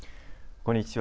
こんにちは。